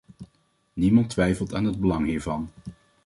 Niemand twijfelt aan het belang hiervan.